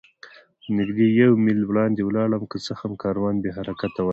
نږدې یو میل وړاندې ولاړم، که څه هم کاروان بې حرکته ولاړ و.